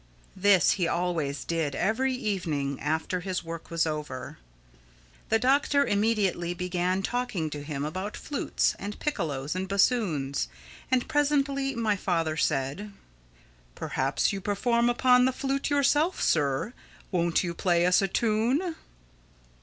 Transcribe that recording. This he always did, every evening, after his work was over. The Doctor immediately began talking to him about flutes and piccolos and bassoons; and presently my father said, "Perhaps you perform upon the flute yourself, Sir. Won't you play us a tune?"